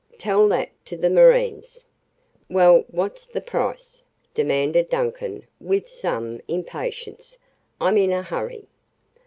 "Tell that to the marines!" "Well, what's the price?" demanded Duncan with some impatience. "I'm in a hurry."